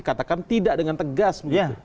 katakan tidak dengan tegas